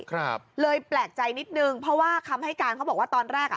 ครับเลยแปลกใจนิดนึงเพราะว่าคำให้การเขาบอกว่าตอนแรกอ่ะ